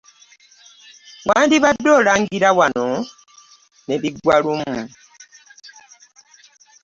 Wandibadde olangira wano ne biggwa lumu.